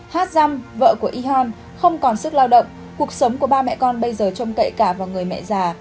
hát giam vợ của ihon không còn sức lao động cuộc sống của ba mẹ con bây giờ trông kệ cả vào người mẹ già